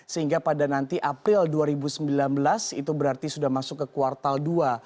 sehingga pada nanti april dua ribu sembilan belas itu berarti sudah masuk ke kuartal dua